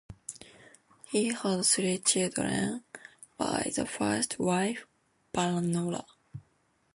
He had three children by his first wife, Barbara.